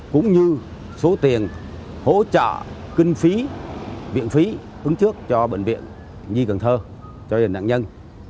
cũng như số tiền hỗ trợ kinh phí viện phí ứng trước cho bệnh viện nhi cần thơ cho gia đình nạn nhân